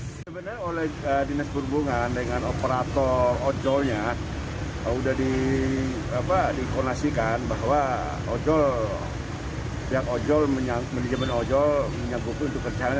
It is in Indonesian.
sebenarnya oleh dinas perhubungan dengan operator ojol nya sudah diikonasikan bahwa pihak ojol menjaga penyelamatkan ojol menyangkut untuk kerjaan